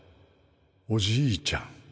おじいちゃん。